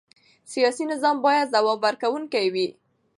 سیاسي نظام باید ځواب ورکوونکی وي